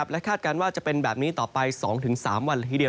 และคาดการณ์ว่าจะเป็นแบบนี้ต่อไป๒๓วันละทีเดียว